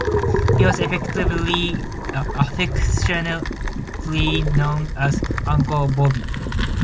He was affectionately known as "Uncle Bobby".